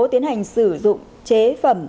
tiến hành sử dụng chế phẩm